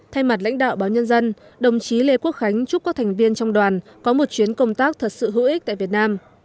thay mặt lãnh đạo báo nhân dân đồng chí lê quốc khánh chúc các thành viên trong đoàn có một chuyến công tác thật sự hữu ích tại việt nam